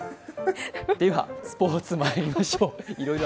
ではスポーツまいりましょう。